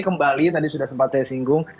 kembali tadi sudah sempat saya singgung